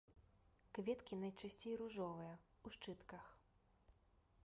Кветкі найчасцей ружовыя, у шчытках.